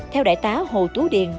theo đại tá hồ tú điền